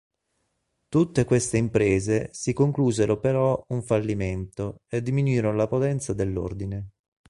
Tutte queste imprese si conclusero però un fallimento e diminuirono la potenza dell'Ordine.